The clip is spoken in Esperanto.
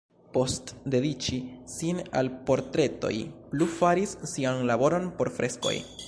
Post dediĉi sin al portretoj plu faris sian laboron por freskoj.